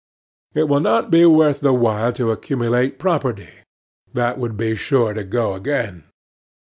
It will not be worth the while to accumulate property; that would be sure to go again.